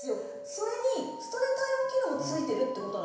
それにストレートアイロン機能も付いてるってことなんですよね？